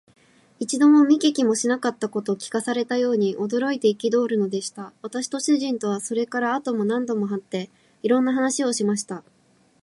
一度も見も聞きもしなかったことを聞かされたように、驚いて憤るのでした。私と主人とは、それから後も何度も会って、いろんな話をしました。